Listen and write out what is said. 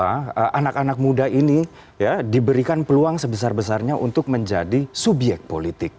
karena anak anak muda ini diberikan peluang sebesar besarnya untuk menjadi subyek politik